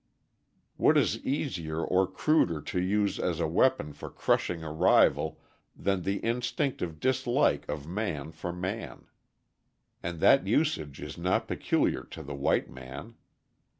What is easier or cruder to use as a weapon for crushing a rival than the instinctive dislike of man for man? And that usage is not peculiar to the white man.